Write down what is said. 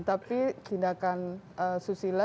tapi tindakan asusila